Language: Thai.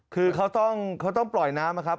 คือเขาต้องปล่อยน้ำนะครับ